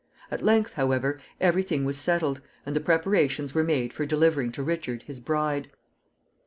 At length, however, every thing was settled, and the preparations were made for delivering to Richard his bride.